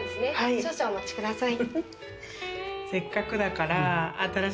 少々お待ちください。